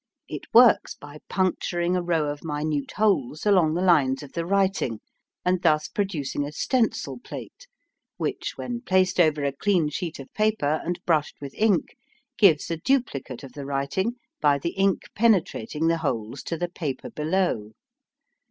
It works by puncturing a row of minute holes along the lines of the writing, and thus producing a stencil plate, which, when placed over a clean sheet of paper and brushed with ink, gives a duplicate of the writing by the ink penetrating the holes to the paper below.